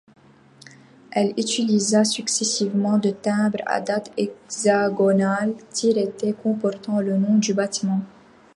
Elle utilisa successivement de timbre à date hexagonal tireté comportant le nom du bâtiment.